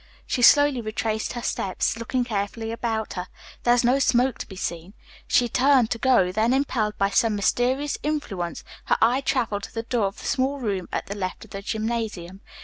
She slowly retraced her steps, looking carefully about her. There was no smoke to be seen. She turned to go, then impelled by some mysterious influence, her eye traveled to the door of the small room at the left of the gymnasium.